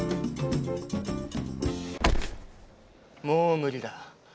もう無理だ。